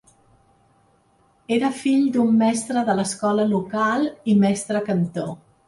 Era fill d'un mestre de l'escola local i mestre cantor.